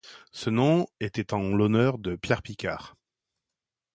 Ce nom était en l'honneur de Pierre Picard.